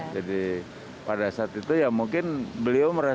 jadi pada saat itu ya mungkin beliau merasa